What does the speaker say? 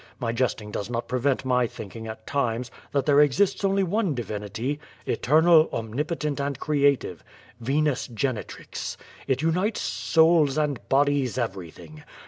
My jesting does not prevent my thinking at times, that there exists only one divinity— eternal, omnipotent, and creative — Venus Genitrix. It unites souls, and bodies, everything.